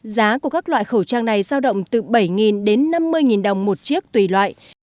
giá của các loại khẩu trang này giao động từ bảy đến năm mươi đồng một chiếc tùy loại